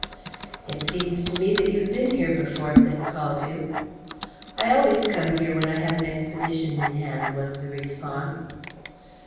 "It seems to me that you've been here before," said Caldew. "I always come here when I have an expedition in hand," was the response.